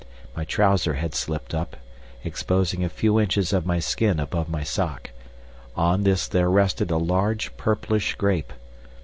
My trouser had slipped up, exposing a few inches of my skin above my sock. On this there rested a large, purplish grape.